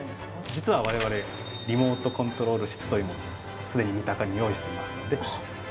実は我々リモートコントロール室というものを既に三鷹に用意していますので。